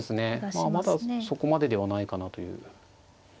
まあまだそこまでではないかなという。